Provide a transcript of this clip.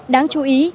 đáng chú ý